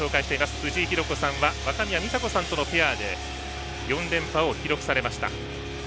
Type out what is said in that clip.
藤井寛子さんは若宮三紗子さんとのペアで４連覇を記録されました。